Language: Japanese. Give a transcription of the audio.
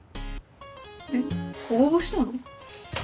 えっ応募したの？